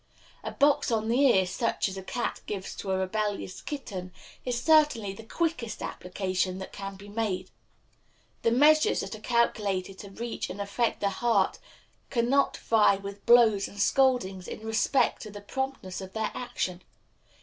A box on the ear, such as a cat gives to a rebellious kitten, is certainly the quickest application that can be made. The measures that are calculated to reach and affect the heart can not vie with blows and scoldings in respect to the promptness of their action.